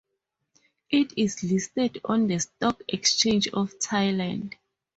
It is listed on the Stock Exchange of Thailand.